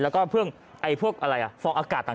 และก็เพิ่งฟองอากาศต่าง